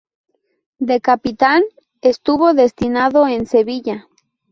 De capitán estuvo destinado en Sevilla.